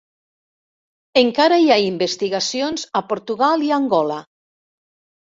Encara hi ha investigacions a Portugal i Angola.